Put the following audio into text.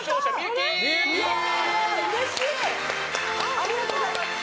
ありがとうございます。